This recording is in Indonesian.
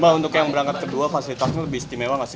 mbak untuk yang berangkat kedua fasilitasnya lebih istimewa nggak sih